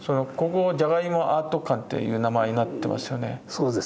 そうです。